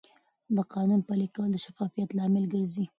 د قانون پلي کول د شفافیت لامل ګرځي.